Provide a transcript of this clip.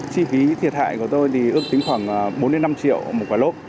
chi phí thiệt hại của tôi thì ước tính khoảng bốn năm triệu một quả lốp